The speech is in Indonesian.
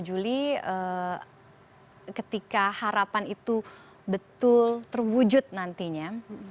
dua puluh juli ketika harapan itu betul terwujud nantinya